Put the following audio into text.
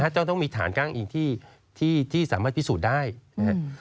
จะต้องมีฐานอ้างอิงที่สามารถพิสูจน์ได้นะครับ